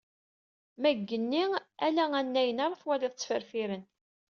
Ma deg yigenni, ala annayen ara tettwaliḍ ttferfiren.